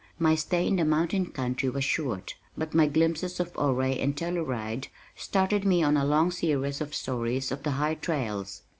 My stay in the mountain country was short, but my glimpses of Ouray and Telluride started me on a long series of stories of "the high trails."